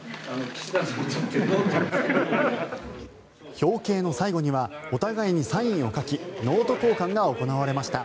表敬の最後にはお互いにサインを書きノート交換が行われました。